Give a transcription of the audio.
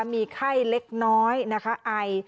มีไข้เล็กน้อยนะคะไอ